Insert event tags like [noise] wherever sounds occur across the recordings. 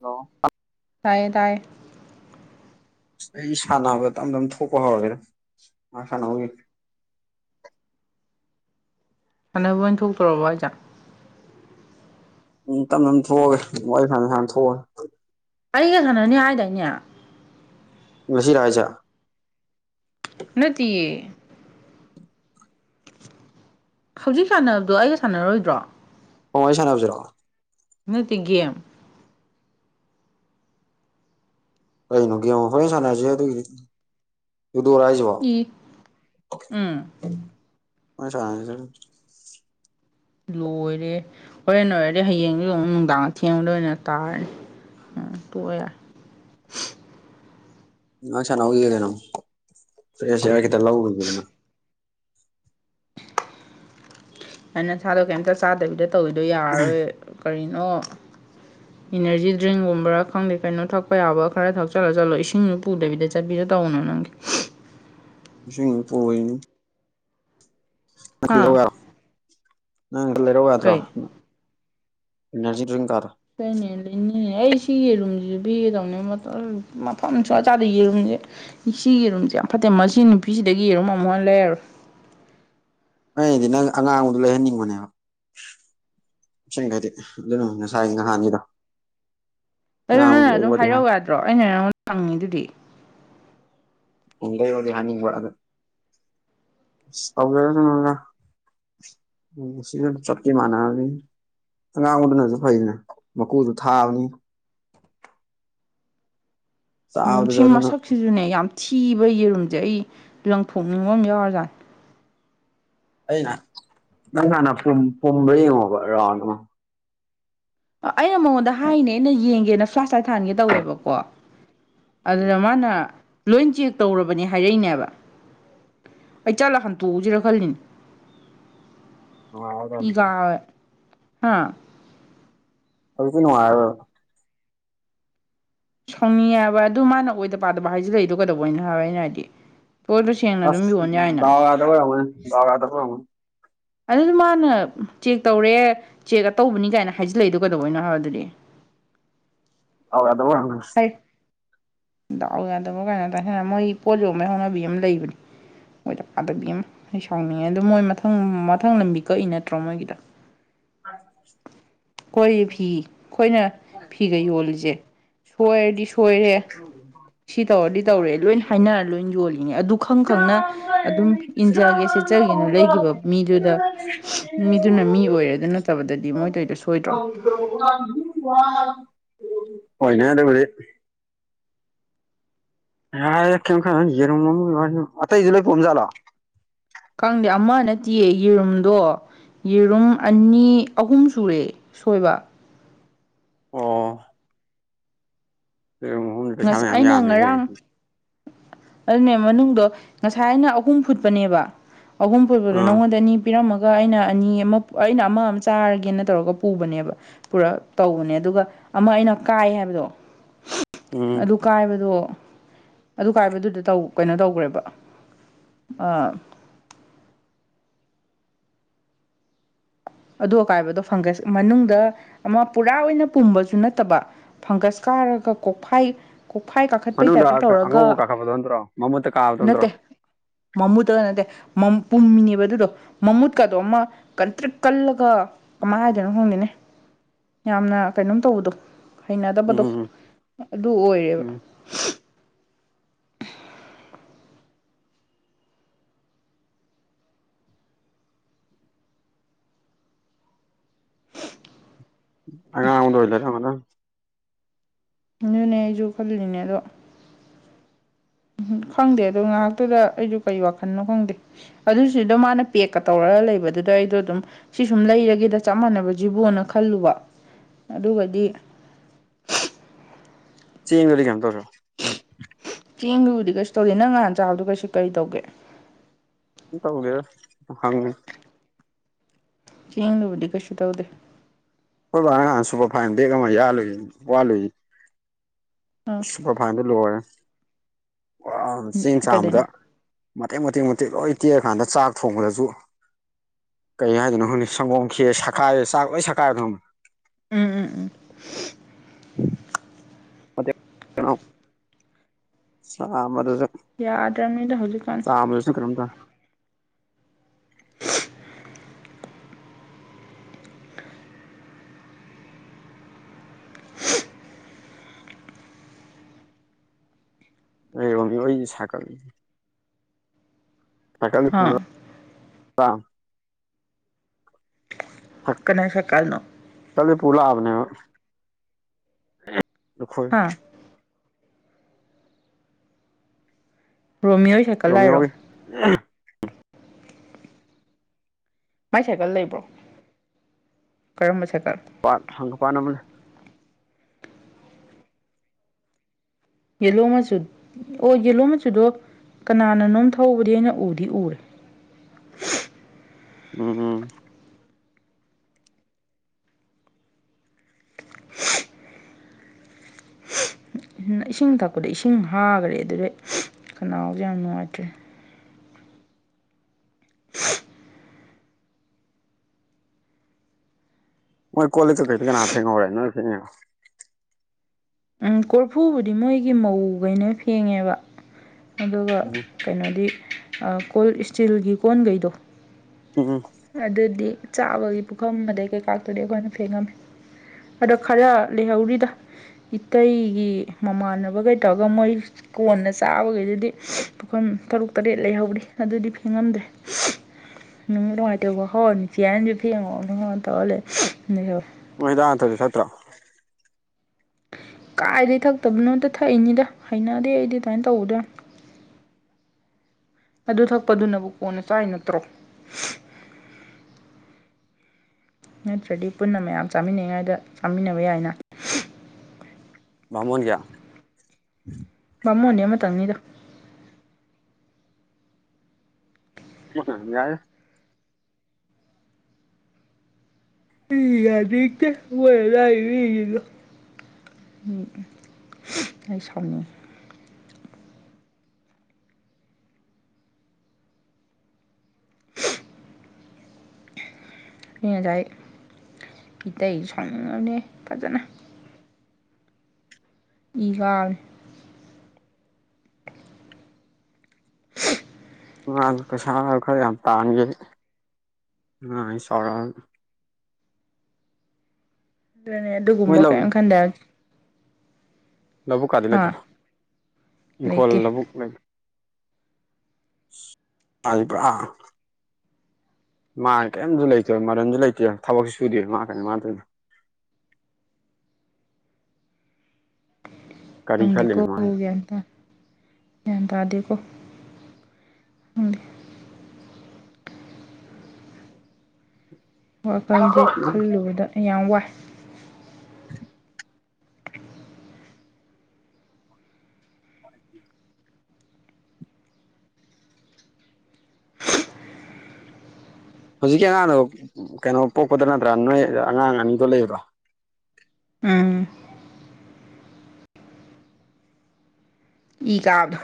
hello ꯇꯌꯦ ꯇꯥꯏ ꯑꯩ ꯁꯥꯟꯅꯅꯕꯕꯝꯝ ꯊꯄ ꯍꯔꯒꯔ ꯃꯥ ꯁꯅꯒꯒꯤ [inaudible] ꯁꯥꯟꯅꯕ ꯑꯣꯏꯅ ꯊꯣꯛꯇꯣꯔꯔꯕ ꯑꯩꯖꯠ ꯎꯝ ꯇꯞ ꯑꯗꯨꯝ ꯊꯣꯛꯑꯒꯦ ꯋꯥꯔꯤ ꯐ ꯍꯥꯟꯅ ꯊꯣꯛꯑꯒꯦ ꯑꯩꯒ ꯁꯥꯟꯅꯅꯤ ꯍꯥꯏꯗꯏꯅꯦ ꯃꯁꯤꯁꯤꯔ ꯍꯥꯏꯖ ꯅꯠꯇꯌꯦ ꯍꯧꯖꯤꯛ ꯁꯥꯟꯅꯕꯗꯣ ꯑꯩꯒ ꯁꯥꯟꯅꯔꯣꯏꯗ꯭ꯔꯣ ꯃꯣꯏ ꯁꯅꯁꯤꯔꯣ ꯏ ꯇꯤꯒꯦ ꯀꯩꯅꯣꯒꯤ ꯌꯦꯡꯉꯣ ꯍꯣꯔꯦꯟ ꯁꯥꯟꯅꯔꯁꯦ ꯑꯗꯨꯒꯤꯗꯤ ꯌꯗꯔ ꯍꯥꯏꯖ ꯋꯥ ꯏ ꯎꯝ ꯃꯣꯏ ꯊꯥ ꯂꯣꯏꯔꯦ ꯍꯣꯔꯦꯟ ꯅꯣꯏꯔꯗꯤ ꯍꯌꯦꯡ ꯂꯣꯡ ꯅꯨꯡꯗꯥꯡꯊꯦꯡꯕ ꯂ ꯑꯣꯏꯅ ꯇꯥꯔꯅꯤ ꯑ ꯇꯌꯥ ꯑꯁꯥꯅ ꯎꯒ ꯅ ꯐ꯭ꯔꯦꯁ ꯌꯥ ꯀ ꯇ ꯂꯧ ꯎꯅ ꯑꯩꯅ ꯅꯁꯥꯗꯣ ꯀꯩꯝꯇ ꯆꯥꯗꯕꯤꯗ ꯇꯧꯋꯤꯗꯣ ꯌꯥꯔꯔꯣꯏ ꯀꯔꯤꯅꯣ ꯑꯣ ꯏꯅꯔꯖꯤ ꯗ꯭ꯔꯤꯡꯒꯨꯝꯕꯥ ꯈꯪꯗꯦ ꯀꯩꯅꯣ ꯊꯛꯄ ꯌꯥꯕ ꯈꯔ ꯊꯛꯆꯜꯂ ꯆꯠꯂꯣ ꯏꯁꯤꯡꯗꯨꯣ ꯄꯨꯗꯕꯤꯗ ꯆꯠꯕꯤꯔ ꯇꯗꯥꯎꯅ ꯅꯒꯦ ꯄꯏꯅꯤ ꯅꯪ ꯍꯥ ꯂꯩꯔ ꯅꯪ ꯂꯩꯔꯣ ꯌꯥꯗ꯭ꯔꯣ ꯀꯩ ꯑꯦꯅꯔꯖꯤ ꯗ꯭ꯔꯤꯤꯡ ꯀꯔ ꯀꯩꯅꯦ ꯂꯩꯅꯦꯅꯦ ꯑꯩ ꯁꯤ ꯌꯦꯔꯨꯝꯁꯤꯁꯨ ꯄꯤꯒꯦꯗꯧꯅꯦ ꯃꯐꯝ ꯁ꯭ꯋꯥ ꯆꯥꯗ ꯌꯦꯔꯨꯝꯁ ꯁꯤꯌꯦꯔꯨꯝꯁꯦ ꯌꯥꯝ ꯐꯠꯇꯦ ꯃꯁꯤ ꯅꯨꯄꯤꯁꯤꯗꯒꯤ ꯌꯦꯔꯨꯝ ꯑꯃꯨꯛ ꯍꯟꯅ ꯂꯩꯔꯔꯣꯏ ꯑꯗꯤ ꯅꯪ ꯑꯉꯥꯡꯗꯣ ꯂꯩꯍꯟꯅꯤꯡꯕꯅꯦꯕ ꯁꯤꯕꯗꯤ ꯑꯗꯨꯅ ꯉꯁꯥꯏ ꯅꯍꯥꯟꯒꯤꯗꯣ ꯑꯗꯨ ꯑꯉꯥꯡꯕꯗꯣ ꯅꯪꯅ ꯑꯗꯨꯝ ꯂꯩꯌꯣꯗꯤ ꯍꯥꯏ ꯍꯥꯏꯔꯛꯎ ꯌꯥꯗ꯭ꯔꯣ ꯑꯩꯅ ꯅꯪꯉꯣꯟ ꯍꯪꯉꯤ ꯗꯨꯗꯤ ꯎ ꯂꯩꯔꯗꯤ ꯍꯥꯏꯅꯤꯡꯕ꯭ꯔ ꯑꯗ ꯑ ꯇꯧꯖꯔꯁꯅꯨꯗ ꯎ ꯁꯤ ꯆꯠꯇꯤ ꯃꯥꯅꯗꯤ ꯑꯉꯥꯡꯕꯗꯨꯅꯁꯨ ꯐꯩꯅꯦ ꯃꯀꯨꯗꯨ ꯊꯥꯕꯅꯤ ꯎꯝ ꯆꯥꯕꯗꯁꯨ ꯁꯤꯡ ꯑꯗꯨꯅ ꯃꯁꯛꯁꯤꯁꯨꯅꯦ ꯌꯥꯝ ꯊꯤ ꯀꯤꯕ ꯌꯦꯔꯨꯝꯁꯦ ꯑꯩ ꯂꯪꯊꯣꯛꯅꯤꯡꯕ ꯑꯃ ꯌꯥꯎꯔꯖꯥꯠꯅꯤ ꯑꯩꯅ ꯅꯪ ꯍꯥꯟꯅ ꯄꯨꯝꯕ ꯌꯦꯡꯉꯣꯕ ꯔꯥꯎ ꯑꯃ ꯑꯩꯅ ꯃꯉꯣꯟꯗ ꯍꯥꯏꯅꯦ ꯑꯩꯅ ꯌꯦꯡꯒꯦꯅ ꯐ꯭ꯂꯥꯁꯥꯁꯇꯥꯏꯠ ꯊꯥꯟꯒꯦ ꯇꯧꯋꯦꯕꯀꯣ ꯑꯗꯨꯗ ꯃꯥꯅ ꯂꯣꯏ ꯆꯦꯛ ꯇꯧꯔꯕꯅꯦ ꯍꯥꯏꯔꯛꯏꯅꯦꯕ ꯑꯩ ꯆꯠꯂ ꯍꯟꯇꯣꯛꯎꯁꯤꯔ ꯈꯜꯂꯤꯅꯦ ꯅꯨꯡꯉꯥꯏꯔꯗꯕꯅꯤ ꯏꯀꯥ ꯍꯥꯥ ꯑꯗꯨꯗꯤ ꯅꯨꯡꯉꯥꯏ ꯁꯥꯎꯅꯤꯡ ꯍꯥꯏꯕ ꯑꯗꯨ ꯃꯥꯅ ꯑꯣꯏꯗ ꯄꯥꯗꯕ ꯍꯥꯏꯁꯤ ꯂꯩꯗꯣ ꯀꯩꯗꯧꯕ ꯑꯣꯏꯅ ꯍꯥꯏꯕ ꯑꯩꯅ ꯍꯥꯏꯗꯤ ꯂꯣꯏꯗꯣ ꯁꯦꯡꯅ ꯑꯗꯨꯝ ꯑꯁ ꯌꯣꯟ ꯌꯥꯏꯅ ꯗꯥꯎ ꯌꯥꯗꯕ ꯑꯣꯏꯔꯝꯅꯤ ꯗꯥꯎ ꯌꯥꯗꯕ ꯑꯣꯏꯔꯝꯒꯅꯤ ꯑꯗꯨꯗ ꯃꯥꯅ ꯆꯦꯛ ꯇꯧꯔꯦ ꯆꯦꯛ ꯑ ꯇꯧꯕꯅꯤ ꯀꯥꯏꯅ ꯍꯥꯏꯖꯤꯜꯂꯛꯏꯗꯣ ꯀꯩꯗꯧꯕꯩꯅꯣ ꯍꯥꯏꯕ ꯑꯗꯨꯗꯤ [inaudible] ꯗꯥꯎ ꯌꯥꯗꯕ ꯑꯣꯏꯔꯝꯒꯅꯤ ꯍꯩ ꯗꯥꯎ ꯌꯥꯗꯕ ꯀꯩꯅꯣ ꯇꯅ ꯃꯣꯏ ꯄꯣ ꯌꯣꯝ ꯃꯩ ꯍꯅꯕꯤ ꯑꯃ ꯂꯩꯕꯅꯦ ꯃꯣꯏꯗ ꯄꯥꯗꯕꯤ ꯑꯃ ꯑꯩ ꯁꯥꯎꯅꯤꯡꯉꯦ ꯑꯗꯨ ꯃꯣꯏ ꯃꯊꯪ ꯃꯊꯪ ꯂꯝꯕꯤ ꯀꯛꯏ ꯅꯠꯇ꯭ꯔꯣ ꯃꯣꯏꯒꯤꯗ [unintelligible] ꯑꯩꯈꯣꯏ ꯐꯤ ꯑꯩꯈꯣꯏꯅ ꯐꯤꯒ ꯌꯣꯜꯂꯤꯁꯦ ꯁꯣꯏꯔꯗꯤ ꯁꯣꯏꯔꯦ ꯑꯣꯏꯔꯝꯒꯅꯤ ꯁꯤ ꯇꯧꯔꯗꯤ ꯇꯧꯔꯦ ꯂꯣꯏ ꯍꯥꯏꯅꯔ ꯂꯣꯏ ꯌꯣꯜꯂꯤꯅ‌ꯦ ꯑꯗꯨ ꯈꯪ ꯈꯪꯅ ꯑꯗꯨꯝ ꯏꯟꯖꯒꯦ ꯁꯦꯠꯆꯒꯦꯅ ꯂꯩꯈꯤꯕ ꯃꯤꯗꯨ ꯗ ꯃꯤꯗꯨꯅ ꯃꯤ ꯑꯣꯏꯔꯒꯅ ꯅꯠꯇꯕꯗꯗꯤ ꯃꯣꯏꯇꯧꯔꯤꯗꯣ ꯁꯣꯏꯗ꯭ꯔꯣ ꯍꯣꯏꯅꯦ ꯑꯗꯨꯕꯨꯗꯤ ꯌꯥꯔꯦ ꯀꯔꯝ ꯈꯜꯂꯅꯨ ꯌꯦꯔꯨꯝ ꯑꯃꯒꯤ ꯋꯔꯤꯕꯨ ꯑꯇꯩꯁꯨ ꯂꯣꯏꯅ ꯄꯨꯛ ꯖꯠꯂꯣ ꯈꯪꯗꯦ ꯑꯃ ꯅꯠꯇꯦꯌꯦ ꯌꯦꯔꯨꯝꯗꯣ ꯌꯦꯔꯨꯝ ꯑꯅꯤ ꯑꯍꯨꯝ ꯁꯨꯔꯦ ꯁꯣꯏꯕ ꯑꯣ ꯌꯦꯔꯨꯝ ꯑꯍꯨꯝꯗꯤ ꯄꯩꯁꯥ ꯉꯁꯥꯏ ꯃꯌꯥꯝ ꯑꯩꯅ ꯌꯥꯝꯃꯦꯍꯦ ꯉꯔꯥꯡ ꯑꯗꯨꯅ‌ꯦ ꯃꯅꯨꯡꯗꯣ ꯉꯁꯥꯏꯅ ꯑꯍꯨꯝ ꯐꯨꯠꯄꯅꯦꯕ ꯑꯍꯨꯝ ꯐꯨꯄꯗ ꯑꯥ ꯅꯉꯣꯟꯗ ꯑꯅꯤ ꯄꯤꯔꯝꯃꯒ ꯑꯗꯨꯒ ꯑꯩꯅ ꯑꯅꯤ ꯑꯃ ꯑꯩꯅ ꯑꯃ ꯑꯃ ꯆꯥꯔꯒꯦꯅ ꯇꯧꯔꯒ ꯄꯨꯕꯅꯦꯕ ꯄꯨꯔꯥ ꯇꯧꯕꯅꯦ ꯑꯗꯨꯒ ꯑꯃ ꯑꯩꯅ ꯀꯥꯏ ꯍꯥꯏꯕꯗꯣ [inaudible] ꯑꯗꯨ ꯀꯥꯏꯕꯗꯣ ꯑꯗꯨ ꯀꯥꯏꯕꯗꯨꯗ ꯀꯩꯅꯣ ꯇꯧꯈ꯭ꯔꯦꯕ ꯑꯥ [inaudible] ꯑꯗꯨ ꯑꯀꯥꯏꯕꯗꯣ ꯐꯪꯒꯁ ꯃꯅꯨꯡꯗ ꯑꯃ ꯄꯨꯔꯥ ꯑꯣꯏꯅ ꯄꯨꯝꯕꯁꯨ ꯅꯠꯇꯕ ꯐꯪꯒꯁ ꯀ ꯀꯥꯔꯒ ꯀꯣꯛꯐꯥꯏ ꯀꯣꯛꯐꯥꯏ ꯀꯥꯈꯠꯄꯩ ꯃꯅꯨꯡꯗ ꯇꯥꯏꯞꯇ ꯇꯧꯔꯒ ꯑꯉꯧꯕ ꯀꯥꯈꯠꯄꯗꯣ ꯅꯠꯇ꯭ꯔꯣ ꯃꯃꯨꯠꯇ ꯀꯥꯕꯗꯣ ꯅꯠꯇ꯭ꯔꯣ ꯅꯠꯇꯦ ꯃꯃꯨꯠꯇꯒ ꯅꯠꯇꯦ ꯄꯨꯨꯝꯃꯤꯅꯦꯕ ꯑꯗꯨꯗꯣ ꯃꯃꯨꯠꯀꯗꯣ ꯑꯃ ꯀꯟꯇꯔꯤꯛ ꯀꯜꯂꯒ ꯀꯃꯥꯏ ꯍꯥꯏꯗꯣꯏꯅꯣ ꯈꯪꯗꯦꯅꯦ ꯌꯥꯝꯅ ꯀꯩꯅꯣꯝ ꯇꯧꯕꯗꯣ ꯍꯩꯅꯗꯕꯗꯣ ꯎꯝ ꯑꯗꯨ ꯑꯣꯏꯔꯦꯕ ꯎꯝ ꯑꯉꯥꯡꯕꯗꯣ ꯑꯣꯏꯅ ꯂꯩꯔꯝꯗꯝꯅꯤ ꯑꯗꯨꯅꯦ ꯑꯩꯁꯨ ꯈꯜꯂꯤꯅꯤꯅꯦ ꯑꯗꯣ [inaudible] ꯎꯝ ꯈꯪꯗꯦ ꯑꯗꯨ ꯉꯥꯏꯍꯥꯛꯇꯨꯗ ꯑꯩꯁꯨ ꯀꯔꯤ ꯋꯥꯈꯜꯅꯣ ꯈꯪꯗꯦ ꯑꯗꯨꯁꯨ ꯑꯗꯨꯝ ꯃꯥꯅ ꯄꯦꯛꯀ ꯇꯧꯔ ꯂꯩꯕꯗꯨꯗ ꯑꯩꯗꯣ ꯑꯗꯨꯝ ꯁꯤ ꯁꯨꯝ ꯂꯩꯔꯒꯦꯗ ꯆꯞ ꯃꯥꯟꯅꯕ ꯖꯤꯕꯨꯅ ꯈꯜꯂꯨꯕ ꯑꯗꯨꯒꯗꯤ ꯆ‌ꯦꯡꯗꯨꯗꯤ ꯀꯝ ꯇꯧꯗꯔꫭ ꯆꯦꯡꯗꯨꯕꯨꯗꯤ ꯀꯩꯁꯨ ꯇꯧꯗꯦ ꯅꯪ ꯉꯍꯥꯟ ꯆꯥꯕꯗꯨ ꯀꯩꯁꯨ ꯀꯔꯤꯇꯩꯒ‌ꯦ ꯀꯤꯝ ꯇꯧꯗ‌ꯦꯗ ꯁꯨꯝ ꯍꯪꯉꯤꯅꯤ ꯆꯦꯡꯗꯨꯕꯨꯗꯤ ꯀꯩꯁꯨ ꯇꯧꯗ ꯑꯩꯈꯣꯏ ꯕꯕꯥꯅ ꯅꯍꯥꯟ ꯁꯨꯄꯔ ꯐꯥꯏꯟ ꯕꯦꯛꯒ ꯑꯃ ꯌꯥꯜꯂꯨꯏ ꯋꯥꯠꯂꯨꯏ ꯑꯥ ꯁꯨꯄꯔ ꯐꯥꯏꯟ ꯂꯣꯏꯔꯦ ꯆꯦꯡ ꯆꯥꯝꯕꯗ ꯀꯩꯗꯩꯅꯣ ꯃꯇꯦꯛ ꯃꯇꯦꯛ ꯇꯦꯛ ꯂꯣꯏ ꯇꯦꯛꯑ ꯀꯥꯟꯗ ꯆꯥꯛ ꯊꯣꯡꯕꯗꯁꯨ ꯀꯩ ꯍꯥꯏꯗꯅꯣ ꯈꯪꯗ‌ꯦ ꯁꯪꯒꯣꯝ ꯈ꯭ꯦꯔ ꯁꯛꯈꯥꯏꯌꯦ ꯆꯥꯛ ꯂꯣꯏ ꯁꯛꯈꯥꯏꯕꯗꯣ ꯈꯪꯕꯔꯥ ꯎꯝ ꯎꯝ ꯎꯝ ꯗꯨ [unintelligible] ꯆꯥꯝꯕꯗꯁꯨ ꯌꯥꯗ꯭ꯔꯕꯅꯤꯗ ꯍꯧꯖꯤꯛꯀꯥꯟꯁꯦ ꯀꯩꯅꫭꯝ ꯇꯧꯋꯤ ꯑꯦꯝ ꯑꯣꯏ ꯁꯥ ꯀꯕꯤ [unintelligible] ꯊꯀꯂꯤ ꯍꯥ ꯄꯨꯔ [unintelligible] ꯀꯅꯥ ꯁꯥꯏꯀꯜꯅꯣ ꯄꯨꯂꯛꯑꯕꯅꯦꯕ ꯅꯈꯣꯏ ꯍꯥ ꯔꯣꯃꯤꯌꯣꯏ ꯁꯥꯏꯀꯠꯂ ꯍꯥꯏꯔꯣ ꯔꯣꯃꯤꯌꯣꯒꯤ ꯃꯥꯏ ꯁꯥꯏꯀꯜ ꯂꯩꯕ꯭ꯔꯣ ꯀꯔꯝꯕ ꯁꯥꯏꯀꯜ ꯍꯪꯒꯥꯝꯄꯥꯜ ꯑꯃ ꯂꯩ ꯌꯦꯜꯂꯣ ꯃꯆꯨ ꯑꯣ ꯌꯦꯂꯣ ꯃꯆꯨꯗꯣ ꯀꯅꯥꯅꯅꯣꯝ ꯊꯎꯕꯗꯤ ꯑꯩꯅ ꯎꯗꯤ ꯎꯔꯦ ꯎꯝ ꯎꯝ ꯏꯁꯤꯡ ꯊꯛꯄꯗ ꯏꯁꯤꯡ ꯍꯥꯒ꯭ꯔꯦ ꯑꯗꯨꯗꯩ ꯈꯅꯥꯎꯁꯦ ꯌꯥꯝ ꯅꯨꯡꯉꯥꯏꯇ꯭ꯔꯦ ꯃꯣꯏ ꯀꯣꯜ ꯂꯤꯛꯇ ꯀꯩ ꯀꯅꯥ ꯐꯦꯡꯍꯧꯔꯦ ꯅꯣꯏ ꯐꯦꯡꯉꯤꯔꯣ ꯎꯝ ꯀꯣꯔꯐꯨꯕꯨꯗꯤ ꯃꯣꯏꯒꯤ ꯃꯧꯈꯩꯅ ꯐꯦꯡꯉꯦꯕ ꯑꯗꯨꯒ ꯎꯝ ꯀꯩꯅꯣꯗꯤ ꯀꯣꯜ ꯏꯁꯇꯤꯜꯒꯤ ꯀꯣꯟꯈꯩꯗꯣ ꯎꯝ ꯎꯝ ꯑꯗꯨꯗꯤ ꯆꯥꯕꯒꯤ ꯄꯨꯈꯝ ꯑꯗꯩ ꯀꯩꯀꯥꯇꯨꯗꯤ ꯑꯩꯈꯣꯏꯅ ꯐꯦꯡꯉꯝꯃꯤ ꯑꯗꯣ ꯈꯔ ꯂꯩꯍꯧꯔꯤꯗ ꯏꯇꯩꯒꯤ ꯃꯃꯥꯟꯅꯕ ꯀꯩ ꯇꯧꯔꯒ ꯃꯣꯏ ꯀꯣꯟꯅ ꯆꯥꯕꯒꯤꯗꯨꯗꯤ ꯄꯨꯈꯝ ꯇꯔꯨꯛ ꯇꯔꯦꯠ ꯂꯩꯍꯧꯔꯤ ꯑꯗꯨꯗꯤ ꯐꯦꯡꯉꯝꯗꯦ ꯎꯝ ꯅꯨꯡꯉꯥꯏꯇꯦ ꯃꯣꯏ ꯍꯤꯗꯥꯥꯛ ꯍꯇꯗꯤ ꯆꯠꯇ꯭ꯔꯥ ꯀꯥꯏꯗꯒꯤ ꯊꯛꯇꯕꯅꯣ ꯑꯗ ꯊꯛꯏꯅꯤꯗ ꯍꯩꯅꯑꯗꯤ ꯑꯩꯗꯤ ꯑꯗꯨꯃꯥꯏꯅ ꯇꯧꯕꯗ꯭ꯔꯥ ꯑꯗꯨ ꯊꯛꯄꯗꯨꯅꯕꯨ ꯀꯣꯟꯅ ꯆꯥꯏ ꯅꯠꯇ꯭ꯔꯣ ꯅꯠꯇ꯭ꯔꯗꯤ ꯄꯨꯟꯅ ꯃꯌꯥꯝ ꯆꯥꯃꯤꯟꯅꯉꯥꯏꯗ ꯆꯥꯃꯤꯟꯅꯕ ꯌꯥꯏꯅ ꯕꯃꯣꯜꯅ ꯀꯌꯥ ꯕꯃꯣꯜꯗꯤ ꯑꯃ ꯇꯥꯡꯅꯤꯗ ꯌꯥꯔ ꯏ ꯌꯥ ꯀ ꯍ ꯂꯗ ꯑꯩꯥꯏ ꯁꯥꯎꯅꯤ ꯌꯦ ꯆꯏ ꯃꯤꯇꯩ ꯁꯥꯎꯅꯤꯡꯉꯅꯤ ꯐꯖꯅ ꯏꯒꯔ ꯀꯩꯁ ꯈꯔ ꯌꯥꯝ ꯇꯥꯟꯒ ꯁꯣꯔ ꯑꯗꯨꯅꯦ ꯃꯣꯏ ꯑꯗꯨꯒꯨꯝꯕ ꯂꯧ ꯀꯥꯏ ꯈꯥꯟꯗ ꯂꯧꯕꯨꯛ ꯀꯥꯗꯤ ꯂꯩꯇ꯭ꯔꯣ ꯏꯪꯈꯣꯜ ꯂꯩꯇꯦ ꯂꯧꯕꯨꯛ ꯂꯩꯕ ꯑꯖꯤꯄ ꯃꯥ ꯀꯔꯤꯝꯇ ꯂꯩꯇꯦ ꯃꯔꯟꯁꯨ ꯂꯩꯇꯦ ꯊꯕꯛꯁꯨ ꯁꯨꯗꯦ ꯃꯥꯥ ꯀꯩꯅꯣ ꯃꯥ ꯇꯧꯢꯁꯦ [inaudible] ꯀꯔꯤ ꯈꯪꯗꯦꯀꯣ ꯈꯜꯂꯤꯅꯣ ꯃꯥ ꯒ꯭ꯌꯥꯟ ꯇꯥ ꯒ꯭ꯌꯥꯟ ꯇꯥꯗꯦꯀꯣ [inaudible] ꯋꯥꯈꯜꯁꯦ ꯈꯜꯂꯨꯕꯗ ꯌꯥꯝ ꯋꯥꯏ ꯍꯧꯖꯤꯛꯀꯤ ꯑꯉꯥꯡꯗꯣ ꯀꯩꯅꯣ ꯄꯣꯛꯄꯗ ꯅꯠꯇ꯭ꯔꯥ ꯅꯣꯏ ꯑꯉꯥꯡ ꯑꯅꯤꯗꯣ ꯂꯩꯕ꯭ꯔꯣ ꯎꯝ ꯏ ꯀꯥꯗ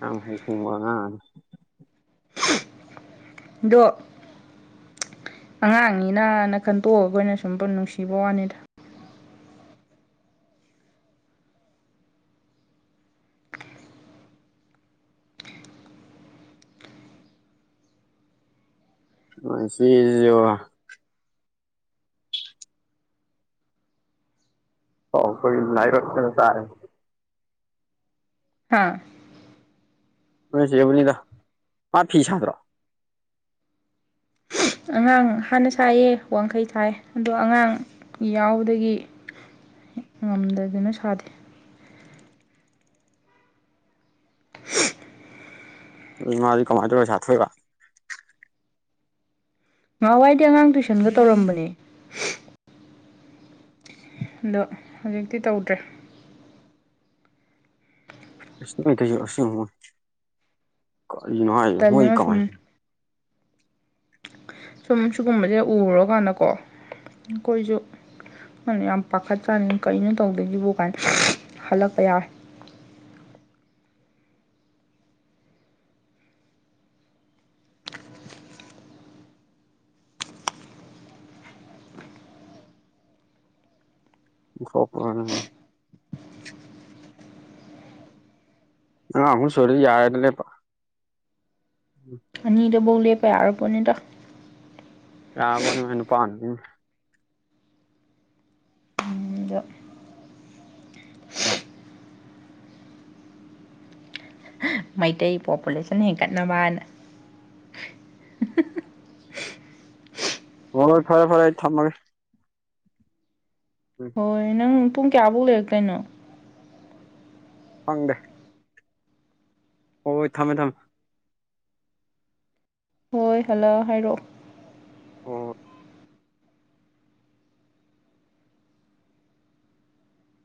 ꯌꯥꯝ ꯍꯩ ꯁꯤꯡꯕ ꯑꯉꯥꯡꯅꯤ ꯗꯣ ꯑꯉꯥꯡꯅꯤꯅꯅ ꯈꯟꯇꯣꯛꯑꯒ ꯑꯩꯈꯣꯏꯅ ꯁꯨꯝ ꯅꯨꯡꯁꯤꯕ ꯋꯥꯅꯤꯗ ꯃꯁꯤꯖꯨꯕ ꯍꯥꯎ ꯀꯣꯏ ꯂꯅꯥꯔꯛꯅ ꯇꯥꯔꯦ ꯍꯥꯥ ꯅꯣꯏ ꯆꯦꯕꯨꯅꯤꯗ ꯃꯥ ꯐꯤ ꯁꯥꯠꯇ꯭ꯔꯣ [inaudible] ꯑꯉꯥꯡ ꯍꯥꯟꯅ ꯁꯥꯏꯌꯦ ꯋꯥꯡꯈꯩ ꯁꯥꯏ ꯑꯗꯣ ꯑꯉꯥꯡ ꯌꯥꯎꯕꯗꯒꯤ ꯉꯝꯗꯗꯅ ꯁꯥꯗꯦ ꯎꯝ ꯃꯥꯗꯤ ꯀꯃꯥꯏꯅ ꯇꯧꯔꯒ ꯁꯥꯊꯣꯏꯕ ꯅꯍꯥꯟꯋꯥꯏꯗꯤ ꯑꯉꯥꯡ ꯇꯨꯏꯁꯟꯒ ꯇꯧꯔꯝꯕꯅꯦ ꯑꯗꯣ ꯍꯧꯖꯤꯛꯇꯤ ꯇꯧꯗ꯭ꯔꯦ ꯇꯜꯂꯤꯉꯣ ꯁꯨꯝ [inaudible] ꯁꯨꯝ ꯁꯤꯒꯨꯝꯕꯁꯦ ꯎꯔꯀꯥꯟꯗꯀꯣ ꯑꯩꯈꯣꯏꯁꯨ ꯈꯪꯗꯦ ꯌꯥꯝ ꯄꯥꯈꯠ ꯆꯥꯅꯤ ꯀꯩꯅꯣ ꯇꯧꯗꯣꯏꯁꯤꯕꯨ ꯀꯥꯏꯅ ꯍꯜꯂꯛꯄ ꯌꯥꯎꯋꯦ [inaudible] ꯍꯣꯄ ꯑꯉꯥꯡ ꯑꯍꯨꯝ ꯁꯨꯔꯗꯤ ꯌꯥꯔꯦꯗ ꯂꯦꯞꯄ ꯑꯅꯤꯗ ꯕꯨꯛ ꯂꯦꯞꯄ ꯌꯥꯔꯄꯣꯠꯅꯤꯗ ꯌꯥꯕꯅꯤ ꯅꯨꯄꯥ ꯑꯃ ꯅꯨꯄꯤ ꯑꯃ ꯑꯗꯣ ꯃꯩꯇꯩ ꯄꯣꯄꯨꯂꯦꯁꯟ ꯍꯦꯟꯒꯠꯅꯕꯅ [inaudible] ꯃꯣꯏ ꯐꯔꯦ ꯐꯔꯦ ꯊꯝꯃꯒꯦ ꯎꯝ ꯍꯣꯏ ꯅꯪ ꯄꯨꯡ ꯀꯌꯥꯐꯧ ꯂꯩꯔꯛꯇꯣꯏꯅꯣ ꯈꯪꯗꯦ ꯍꯣꯢ ꯍꯣꯢ ꯊꯝꯃꯦ ꯊꯝꯃꯦ ꯍꯣꯏ ꯍꯜꯂꯛ ꯑ ꯍꯥꯏꯔꯛꯑꯣ ꯍꯣꯏ ꯍꯣꯏ